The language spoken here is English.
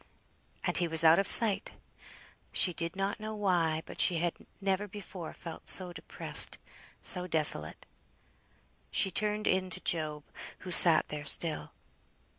And he was out of sight! She did not know why, but she had never before felt so depressed, so desolate. She turned in to Job, who sat there still.